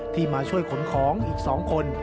มาช่วยขนของอีก๒คน